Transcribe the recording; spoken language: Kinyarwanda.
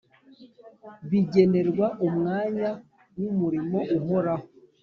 bigenerwa umwanya w’umurimo uhoraho